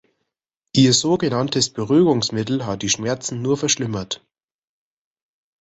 Ihr sogenanntes Beruhigungsmittel hat die Schmerzen nur verschlimmert.